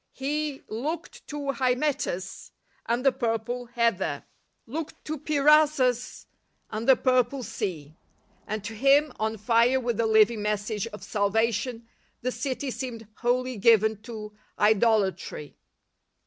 He —" Looked to Hymettus and the purple heather. Looked to Peirasus and the purple sea," and to him — on fire with the living message of salvation — the city seemed " wholly given to idolatry."